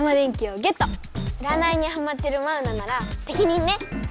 うらないにはまってるマウナならてきにんね！